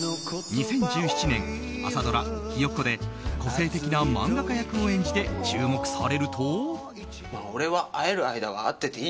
２０１７年朝ドラ「ひよっこ」で個性的な漫画家役を演じて注目されると。